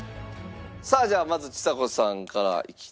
さあじゃあまずちさ子さんからいきたいと思います。